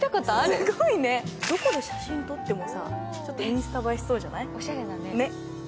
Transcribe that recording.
すごいね、どこで写真撮ってもインスタ映えしそうじゃない。